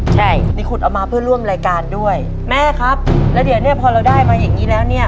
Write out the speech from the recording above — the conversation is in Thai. ใช่นี่ขุดเอามาเพื่อร่วมรายการด้วยแม่ครับแล้วเดี๋ยวเนี้ยพอเราได้มาอย่างงี้แล้วเนี่ย